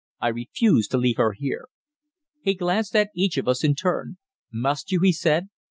"I refuse to leave her here." He glanced at each of us in turn. "Must you?" he said.